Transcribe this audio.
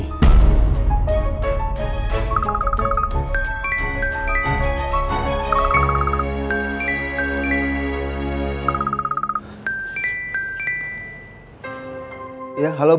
tidak ada yang bisa dihapus